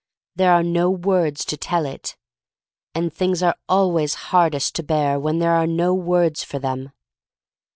There are no words to tell it. And things are always hardest to bear when there are no words for them.